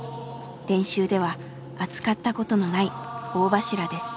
練習では扱ったことのない大柱です。